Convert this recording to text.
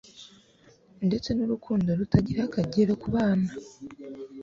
ndetse n'urukundo rutagira akagero ku bana